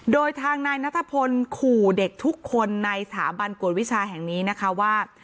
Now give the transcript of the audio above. โดยทางนายนัทพลขู่เด็กทุกคนในสถาบันกวดวิชาแห่งนี้นะคะว่า